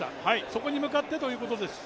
そこに向かってということです。